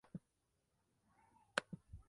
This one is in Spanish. Originariamente fueron parte del Imperio lunda.